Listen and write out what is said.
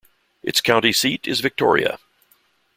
Its county seat is Victoria.